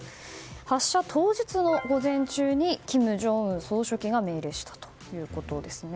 発射当日の午前中に金正恩総書記が命令したということですね。